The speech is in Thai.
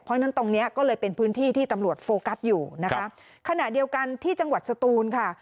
เพราะฉะนั้นตรงเนี้ยก็เลยเป็นพื้นที่ที่ตำรวจโฟกัสอยู่นะคะขณะเดียวกันที่จังหวัดสตูนค่ะ